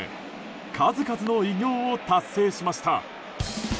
数々の偉業を達成しました。